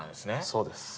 そうです。